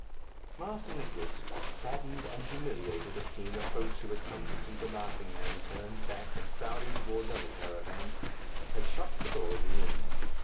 Master Nicless, saddened and humiliated at seeing the folks who had come to see "The Laughing Man" turned back and crowding towards other caravans, had shut the door of the inn.